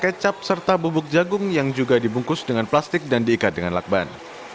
mereka juga menyita minyak goreng kecap serta bubuk jagung yang juga dibungkus dengan plastik dan diikat dengan lakban